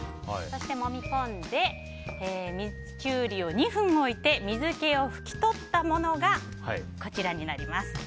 そしてもみ込んでキュウリを２分置いて水気を拭き取ったものがこちらになります。